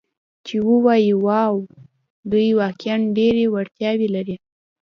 چې ووایي: 'واو، دوی واقعاً ډېرې وړتیاوې لري.